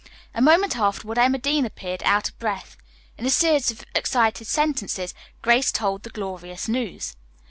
A moment afterward Emma Dean appeared, out of breath. In a series of excited sentences, Grace told the glorious news.